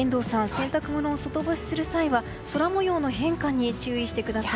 洗濯物を外干しする際は空模様の変化に注意してください。